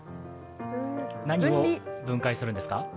何を分解するんですか。